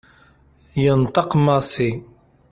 Yenṭeq Massi.